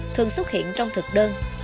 thường xuất hiện trong thực đơn